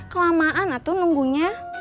kelamaan atuh nunggunya